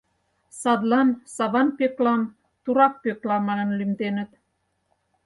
Садлан Саван Пӧклам турак Пӧкла манын лӱмденыт.